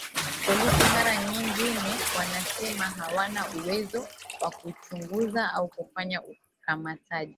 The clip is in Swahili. Polisi mara nyingine wanasema hawana uwezo wa kuchunguza au kufanya ukamataji